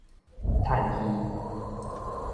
趁墟